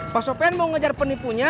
pak sopian mau ngejar penipunya